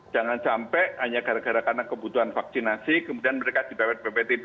jangan sampai hanya gara gara karena kebutuhan vaksinasi kemudian mereka dibawet bawetin